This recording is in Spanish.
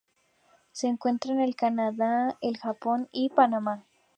Se encuentra en el Canadá, el Japón y Panamá.